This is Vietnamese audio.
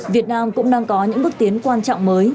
việt nam cũng đang có những bước tiến quan trọng mới